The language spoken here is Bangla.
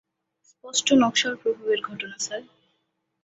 স্পষ্ট নকশাল প্রভাবের ঘটনা, স্যার।